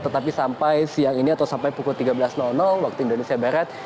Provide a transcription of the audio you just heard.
tetapi sampai siang ini atau sampai pukul tiga belas waktu indonesia barat